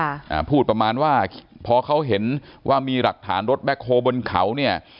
อ่าพูดประมาณว่าพอเขาเห็นว่ามีหลักฐานรถแบ็คโฮลบนเขาเนี่ย